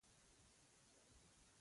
له هغو تفسیرونو د باندې دین نشته.